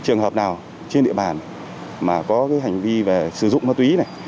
trường hợp nào trên địa bàn mà có cái hành vi về sử dụng ma túy này